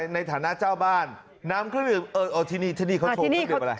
ในฐานะเจ้าบ้านนำเครื่องดื่มเออที่นี่ที่นี่เขาโชว์เครื่องดื่มอะไร